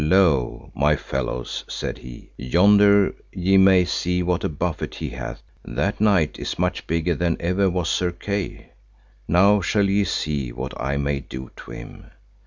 Lo, my fellows, said he, yonder ye may see what a buffet he hath; that knight is much bigger than ever was Sir Kay. Now shall ye see what I may do to him.